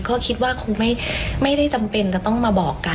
ก็คิดว่าคงไม่ได้จำเป็นจะต้องมาบอกกัน